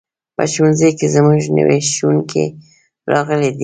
په ښوونځي کې زموږ نوی ښوونکی راغلی دی.